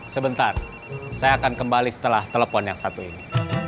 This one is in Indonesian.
sebentar saya akan kembali setelah telepon yang satu ini